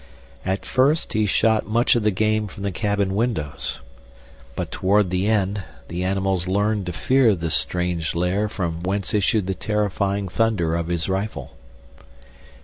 At first he shot much of the game from the cabin windows, but toward the end the animals learned to fear the strange lair from whence issued the terrifying thunder of his rifle.